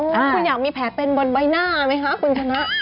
คุณอยากมีแผลเป็นบนใบหน้าไหมคะคุณชนะ